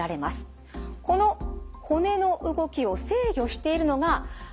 この骨の動きを制御しているのがこちら。